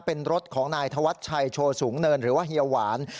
เป็นรถของนายธวัชชัยโชสูงเนินหรือว่าเฮียหวาน